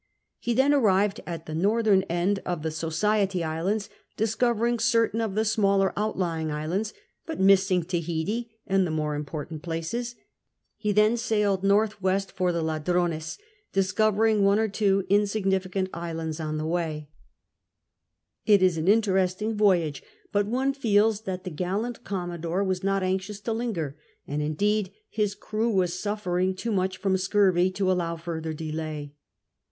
He then arrived at the northern end of the Society Islands, discovering certain of the smaller out lying islands, but missing Tahiti and the more im portant places. He then sailed N.W. for the Ladrones, discovering one or two insignificant islands on the way. CAPTAIN COOK CHAP. 58 It is an interesting voyage, but one feels tJiat the gallant commodore was not anxious to linger, and, indeed, his crow were suffering too iriuch from scurvy to allow further delay.